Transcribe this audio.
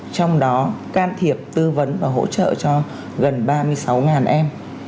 trong đó can thiệp tư vấn và hỗ trợ cho gần ba mươi sáu em